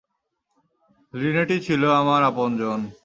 লিনেটই ছিল আমার আপনজন।